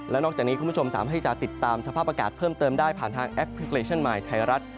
และนอกจากนี้คุณผู้ชมสามารถให้จะติดตามสภาพอากาศเพิ่มเติมได้ผ่านทางแอปพลิเคชันมายไทยรัฐ